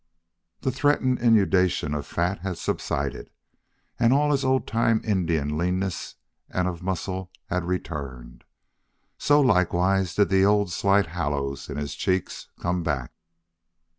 The threatened inundation of fat had subsided, and all his old time Indian leanness and of muscle had returned. So, likewise, did the old slight hollows in his cheeks come back.